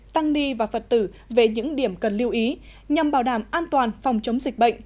tăng ni và phật tử về những điểm cần lưu ý nhằm bảo đảm an toàn phòng chống dịch bệnh